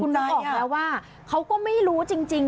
นึกออกแล้วว่าเขาก็ไม่รู้จริง